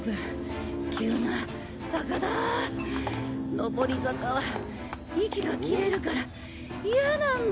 上り坂は息が切れるから嫌なんだ。